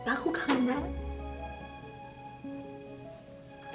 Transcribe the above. aku kangen banget